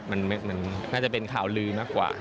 มันน่าจะเป็นข่าวลือมากกว่า